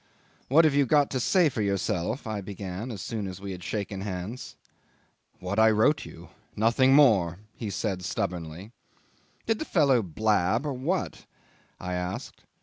"What have you got to say for yourself?" I began as soon as we had shaken hands. "What I wrote you nothing more," he said stubbornly. "Did the fellow blab or what?" I asked.